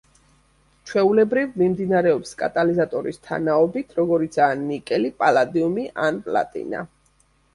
ჩვეულებრივ მიმდინარეობს კატალიზატორის თანაობით, როგორიცაა ნიკელი, პალადიუმი ან პლატინა.